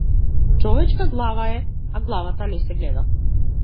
Човечка глава е, а главата не се гледа.